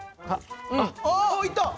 あいった！